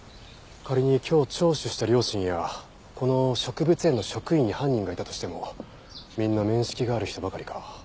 仮に今日聴取した両親やこの植物園の職員に犯人がいたとしてもみんな面識がある人ばかりか。